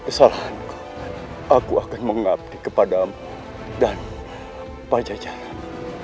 kesalahanku aku akan mengabdi kepada amu dan pajajaran